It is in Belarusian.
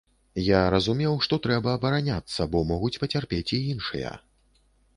Я разумеў, што трэба абараняцца, бо могуць пацярпець і іншыя.